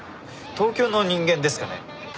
東京の人間ですかね？